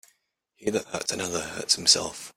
He that hurts another, hurts himself.